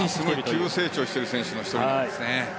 急成長してる選手の１人ですね。